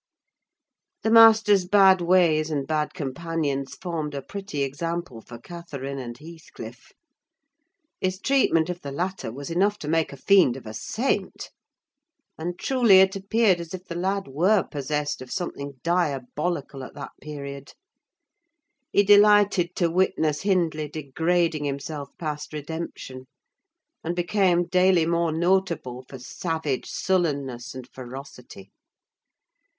The master's bad ways and bad companions formed a pretty example for Catherine and Heathcliff. His treatment of the latter was enough to make a fiend of a saint. And, truly, it appeared as if the lad were possessed of something diabolical at that period. He delighted to witness Hindley degrading himself past redemption; and became daily more notable for savage sullenness and ferocity.